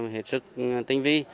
hệt sức tinh vi